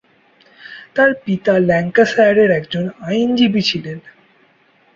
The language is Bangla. তার পিতা ল্যাঙ্কাশায়ারের একজন আইনজীবী ছিলেন।